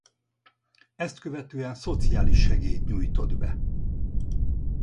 Ezt követően szociális segélyt nyújtott be.